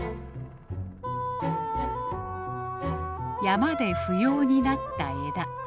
山で不要になった枝。